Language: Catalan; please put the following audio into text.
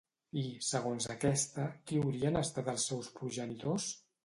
I, segons aquesta, qui haurien estat els seus progenitors?